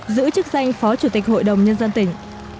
giữ chức danh phó chủ tịch hội đồng nhân dân tỉnh